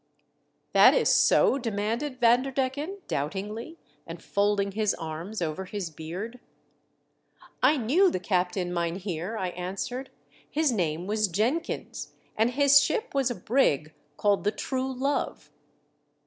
" That is so ?" demanded Vanderdecken, doubtingly, and folding his arms over his beard. " I knew the captain, mynheer," I answered ;" his name was Jenkyns, and his ship was a brig called the True Love."